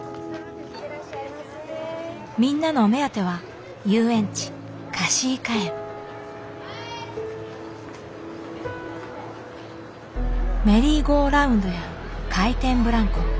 みんなのお目当てはメリーゴーラウンドや回転ブランコ。